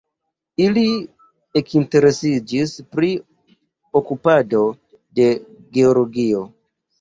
Ili ekinteresiĝis pri okupado de Georgio.